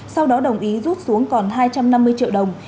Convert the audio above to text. sau đó đồng ý rút xuống còn hai trăm năm mươi triệu đồng